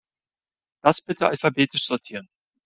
Das bitte alphabetisch sortieren.